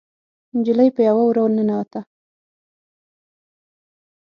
نجلۍ په يوه وره ننوته.